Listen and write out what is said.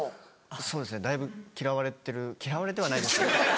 そうですねだいぶ嫌われてる嫌われてはないです。